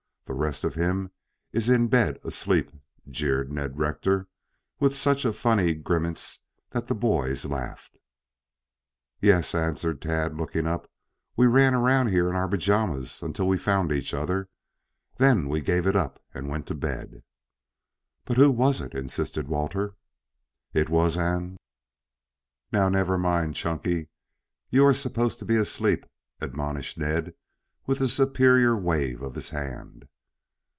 The rest of him is in bed asleep," jeered Ned Rector, with such a funny grimace that the boys laughed. "Yes," answered Tad, looking up, "we ran around here in our pajamas until we found each other. Then we gave it up and went to bed." "But who was it?" insisted Walter. "It was an " "Now, never mind, Chunky. You are supposed to be asleep," admonished Ned, with a superior wave of his hand.